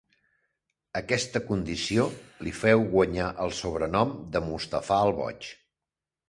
Aquesta condició li féu guanyar el sobrenom de Mustafà el Boig.